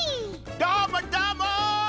どーもどーも！